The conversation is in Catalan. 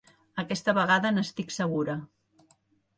Aquesta vegada n'estic segura!